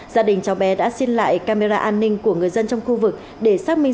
gia đình cháu bé đã xin lại camera an ninh của người dân trong khu vực để xác minh